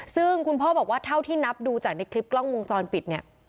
ซึ่งคุณพ่อบอกว่าเท่าที่นับดูจากในคลิปกล้องวงจรปิดเนี่ย